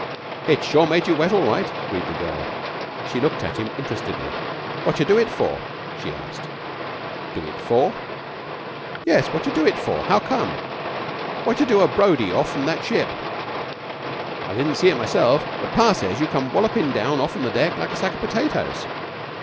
"It's sure made you wet all right," agreed the girl. She looked at him interestedly. "Wotcha do it for?" she asked. "Do it for?" "Yes, wotcha do it for? How come? Wotcha do a Brodie for off'n that ship? I didn't see it myself, but pa says you come walloping down off'n the deck like a sack of potatoes."